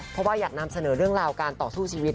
เพราะว่าอยากนำเสนอเรื่องราวการต่อสู้ชีวิต